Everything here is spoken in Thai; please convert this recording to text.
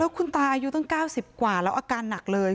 คุณตาอายุตั้ง๙๐กว่าแล้วอาการหนักเลย